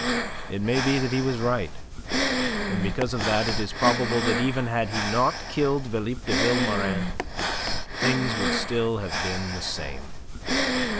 It may be that he was right, and because of that it is probable that even had he not killed Philippe de Vilmorin, things would still have been the same.